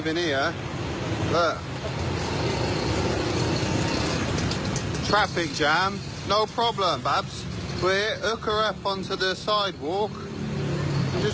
เดี๋ยวไปดูคลิปนี้ที่เขาอัดหน่อยค่ะ